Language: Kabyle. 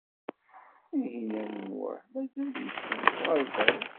Tinhinan u Muḥ mazal-itt deg uɣerbaz.